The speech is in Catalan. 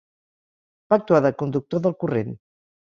Va actuar de conductor del corrent.